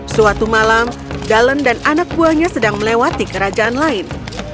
suatu malam dalen dan anak buahnya sedang melewati kerajaan lain